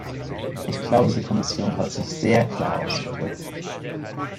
Ich glaube, die Kommission hat sich sehr klar ausgedrückt.